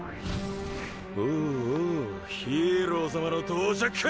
おうおうヒーロー様の到着か！！